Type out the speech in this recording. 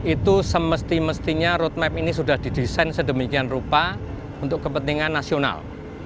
itu semesti mestinya roadmap ini sudah didesain sedemikian rupa untuk kepentingan nasional